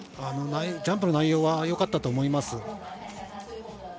ジャンプの内容はよかったと思います。